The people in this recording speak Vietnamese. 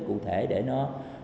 cụ thể để nó